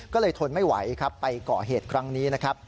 ก็เลยทนไม่ไหวไปก่อเหตุครั้งนี้